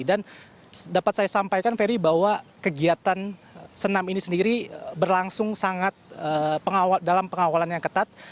dan dapat saya sampaikan fedy bahwa kegiatan senam ini sendiri berlangsung sangat dalam pengawalan yang ketat